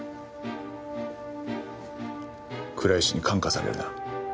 倉石に感化されるな。